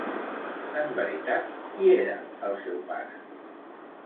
En veritat, qui era el seu pare?